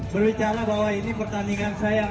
berbicara bahwa ini pertandingan saya